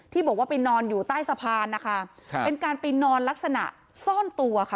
บอกว่าไปนอนอยู่ใต้สะพานนะคะครับเป็นการไปนอนลักษณะซ่อนตัวค่ะ